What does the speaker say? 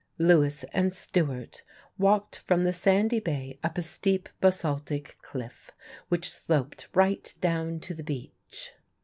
Lewis and Stewart walked from the sandy bay up a steep basaltic cliff which sloped right down to the beach.